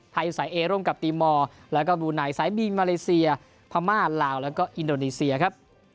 สายเอร่วมกับตีมอร์แล้วก็บลูไนสายบีนมาเลเซียพม่าลาวแล้วก็อินโดนีเซียครับ